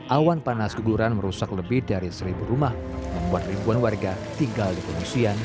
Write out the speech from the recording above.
awan panas guguran merusak lebih dari seribu rumah membuat ribuan warga tinggal di pengungsian